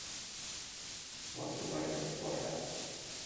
What's the weather in Florida?